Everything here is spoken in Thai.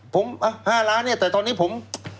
ผม๕ล้านแต่ตอนนี้ผม